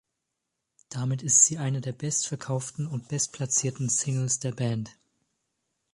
Damit ist sie eine der bestverkauften und bestplatzierten Singles der Band.